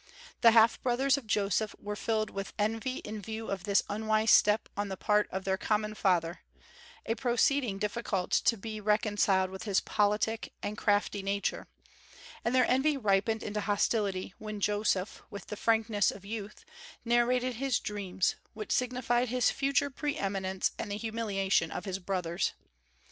The half brothers of Joseph were filled with envy in view of this unwise step on the part of their common father, a proceeding difficult to be reconciled with his politic and crafty nature; and their envy ripened into hostility when Joseph, with the frankness of youth, narrated his dreams, which signified his future pre eminence and the humiliation of his brothers.